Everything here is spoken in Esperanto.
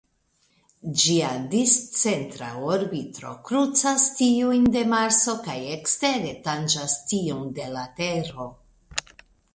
Ĝia discentra orbito krucas tiujn de Marso kaj ekstere tanĝas tiun de la Tero.